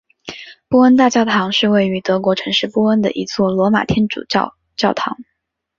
波恩大教堂是位于德国城市波恩的一座罗马天主教教堂。